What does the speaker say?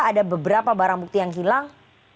ada beberapa barang bukti yang hilang